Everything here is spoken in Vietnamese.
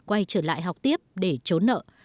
quay trở lại học tiếp để trốn nợ